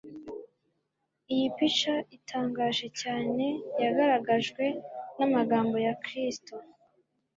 Iyi pica itangaje cyane, yagaragajwe n'amagambo ya Kristo.